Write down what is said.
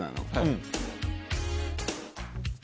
うん。